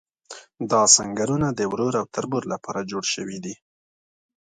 دا سنګرونه د ورور او تربور لپاره جوړ شوي دي.